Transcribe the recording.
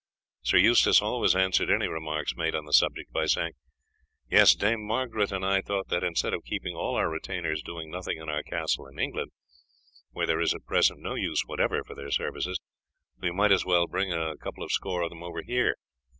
Sir Eustace always answered any remarks made on the subject by saying, "Yes, Dame Margaret and I thought that instead of keeping all our retainers doing nothing in our castle in England, where there is at present no use whatever for their services, we might as well bring a couple of score of them over here.